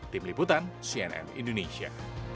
tim liputan cnn indonesia